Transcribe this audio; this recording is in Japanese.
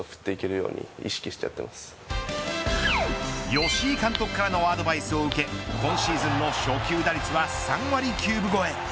吉井監督からのアドバイスを受け今シーズンの初球打率は３割９分超え。